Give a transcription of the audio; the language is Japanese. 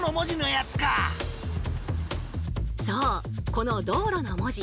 この道路の文字